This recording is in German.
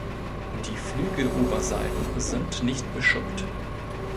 Die Flügeloberseiten sind nicht beschuppt.